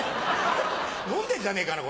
飲んでんじゃねえかな